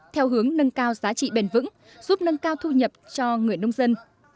theo hướng nâng cao giá trị bền vững giúp nâng cao thu nhập cho người nông dân